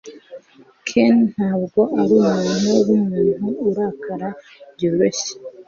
ken ntabwo arumuntu wumuntu urakara byoroshye